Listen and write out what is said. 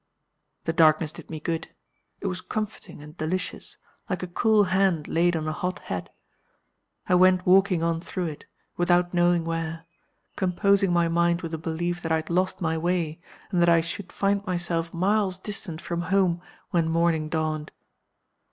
The darkness did me good: it was comforting and delicious like a cool hand laid on a hot head. I went walking on through it, without knowing where; composing my mind with the belief that I had lost my way, and that I should find myself miles distant from home when morning dawned.